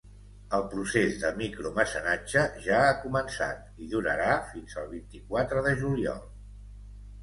El procés de micromecenatge ja ha començat i durarà fins al vint-i-quatre de juliol.